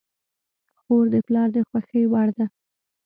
خور د پلار د خوښې وړ ده.